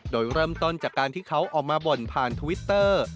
โดยเริ่มต้นจากการที่เขาออกมาบ่นผ่านทวิตเตอร์